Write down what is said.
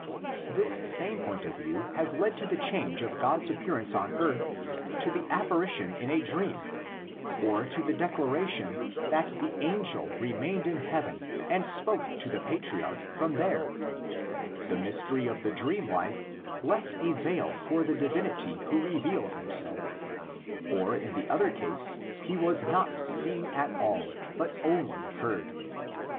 This same point of view has led to the change of God's appearance on earth to the apparition in a dream, or to the declaration that the angel remained in heaven and spoke to the patriarch from there: the mystery of the dream life left a veil for the divinity who revealed himself, or in the other case he was not seen at all, but only heard.